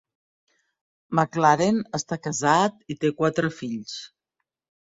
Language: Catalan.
McLaren està casat i té quatre fills.